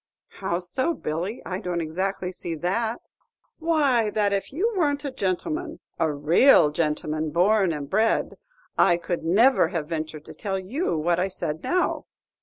"How so, Billy? I don't exactly see that." "Why, that if you weren't a gentleman, a raal gentleman, born and bred, I could never have ventured to tell you what I said now.